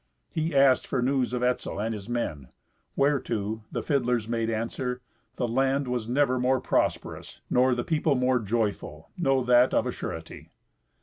He asked for news of Etzel and his men, whereto the fiddlers made answer, "The land was never more prosperous, nor the people more joyful; know that of a surety."